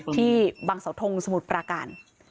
ที่บังเสาทงสมุทรปราการ